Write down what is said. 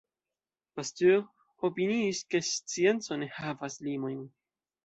Pasteur opiniis ke scienco ne havas limojn.